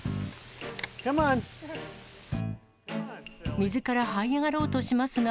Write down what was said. みずからはい上がろうとしますが。